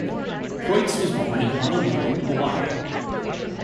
Kreutz was born in Honolulu, Hawaii.